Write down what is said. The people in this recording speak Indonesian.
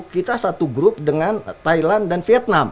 dua ribu dua puluh kita satu grup dengan thailand dan vietnam